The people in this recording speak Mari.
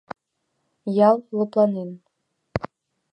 Ял лыпланен.